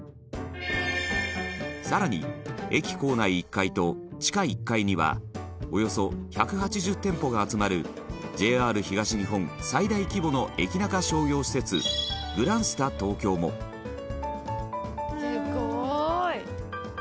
更に、駅構内１階と地下１階にはおよそ１８０店舗が集まるＪＲ東日本最大規模のエキナカ商業施設グランスタ東京も本仮屋：すごい！